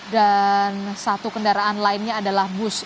dan satu kendaraan lainnya adalah bus